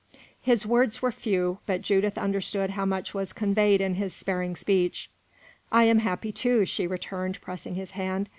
His words were few, but Judith understood how much was conveyed in his sparing speech. "I am happy, too," she returned, pressing his hand.